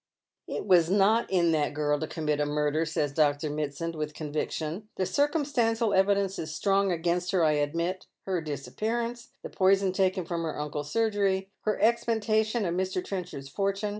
" It v, as not in that girl to commit a murder," says Dr. Mit sand, with con\nction. " TIts circumstantial evidence is strong against her, I admit — her disappearance— the poison taken from her uncle's surgery — her expectation of Mr. Trenchard's fortune.